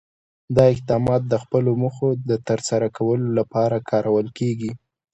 دا اقدامات د خپلو موخو د ترسره کولو لپاره کارول کېږي.